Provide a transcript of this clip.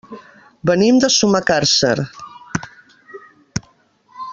Venim de Sumacàrcer.